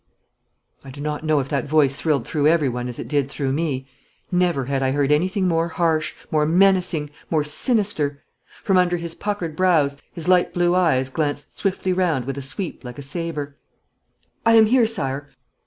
I do not know if that voice thrilled through every one as it did through me. Never had I heard anything more harsh, more menacing, more sinister. From under his puckered brows his light blue eyes glanced swiftly round with a sweep like a sabre. 'I am here, Sire!'